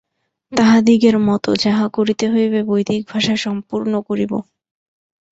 তাঁহাদিগের মত, যাহা করিতে হইবে বৈদিক ভাষায় সম্পূর্ণ করিব।